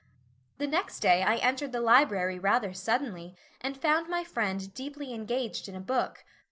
The next day I entered the library rather suddenly and found my friend deeply engaged in a book.